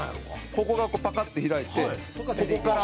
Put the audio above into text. ここがパカッて開いてここから。